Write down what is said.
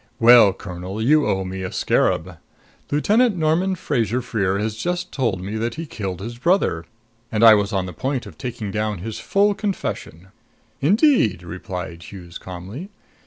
Well, Colonel, you owe me a scarab. Lieutenant Norman Fraser Freer has just told me that he killed his brother, and I was on the point of taking down his full confession." "Indeed!" replied Hughes calmly.